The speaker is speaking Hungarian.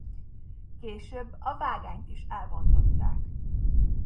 Később a vágányt is elbontották.